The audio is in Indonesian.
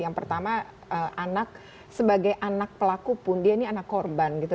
yang pertama anak sebagai anak pelaku pun dia ini anak korban gitu